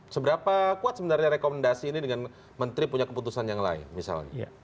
seberapa kuat sebenarnya rekomendasi ini dengan menteri punya keputusan yang lain misalnya